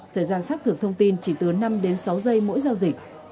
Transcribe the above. thời gian xác thực thông tin chỉ từ năm đến sáu giây mỗi giao dịch